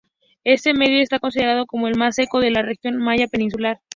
Este medio está considerado como el más seco de la región maya peninsular.